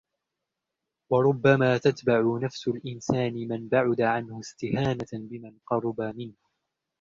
وَرُبَّمَا تَتْبَعُ نَفْسُ الْإِنْسَانِ مَنْ بَعُدَ عَنْهُ اسْتِهَانَةً بِمَنْ قَرُبَ مِنْهُ